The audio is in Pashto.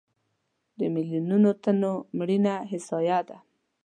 د میلیونونو تنو مړینه احصایه ده.